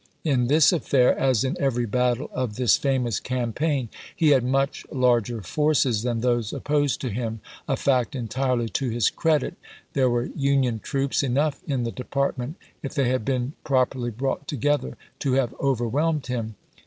In this affair, as in every battle of this famous campaign, he had much larger forces than those opposed to him — a fact entirely to his credit; there were Union troops enough in the department, if they had been prop erly brought together, to have ovei whelmed him.